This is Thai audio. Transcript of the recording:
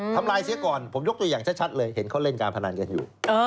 ทำลายเสียก่อนผมยกตัวอย่างชัดเลยเห็นเขาเล่นการพนันกันอยู่